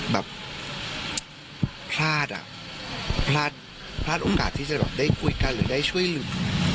แบบพลาดอ่ะพลาดโอกาสที่จะแบบได้คุยกันหรือได้ช่วยเหลือ